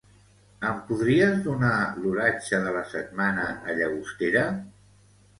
Em podries donar l'oratge de la setmana a Llagostera?